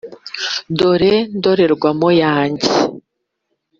dore ndorerwamo yanjye,